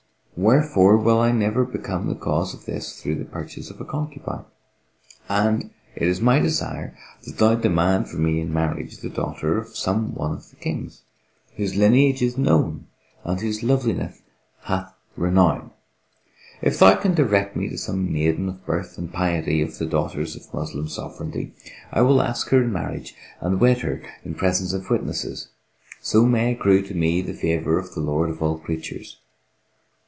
Wherefore will I never become the cause of this through the purchase of a concubine; and it is my desire that thou demand for me in marriage the daughter of some one of the Kings, whose lineage is known and whose loveliness hath renown. If thou can direct me to some maiden of birth and piety of the daughters of Moslem Sovranty, I will ask her in marriage and wed her in presence of witnesses, so may accrue to me the favour of the Lord of all Creatures."